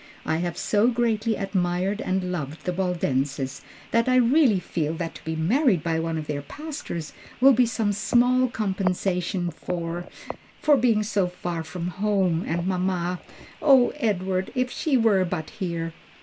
I have so greatly admired and loved the Waldenses that I really feel that to be married by one of their pastors will be some small compensation for for being so far from home and mamma. O Edward, if she were but here!"